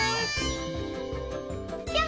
ぴょん！